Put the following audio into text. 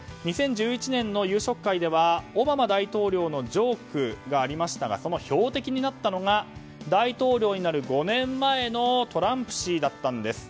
２０１１年の夕食会ではオバマ大統領のジョークがありましたがその標的になったのが大統領になる５年前のトランプ氏だったんです。